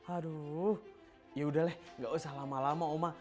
aduh yaudah lah gak usah lama lama oma